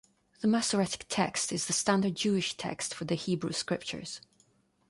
The Masoretic Text is the standard Jewish text for the Hebrew Scriptures.